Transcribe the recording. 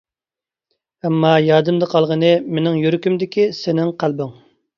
ئەمما يادىمدا قالغىنى مېنىڭ يۈرىكىمدىكى سېنىڭ قەلبىڭ.